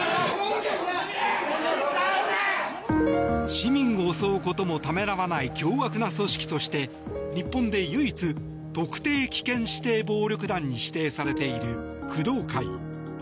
市民を襲うこともためらわない凶悪な組織として日本で唯一特定危険指定暴力団に指定されている工藤会。